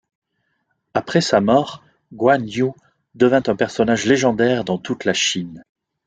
Après sa mort, Guan Yu devint un personnage légendaire dans toute la Chine.